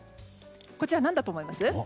こちら、なんだと思います？